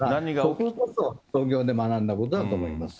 それこそ東京で学んだことだと思います。